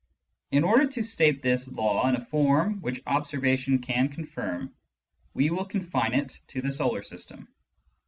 In order to state this law in a form which observation can confirm, we will confine it to the solar system.